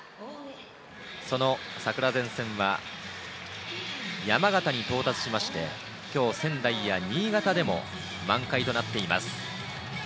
その桜前線は山形に到達しまして、今日、仙台や新潟でも満開となっています。